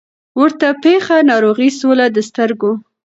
ورته پېښه ناروغي سوله د سترګو